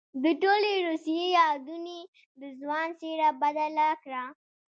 د ټولې روسيې يادونې د ځوان څېره بدله کړه.